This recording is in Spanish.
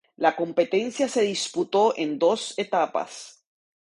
La competencia se disputó en dos etapas.